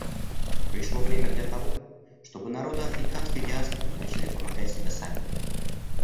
Пришло время для того, чтобы народы африканской диаспоры начали помогать себе сами.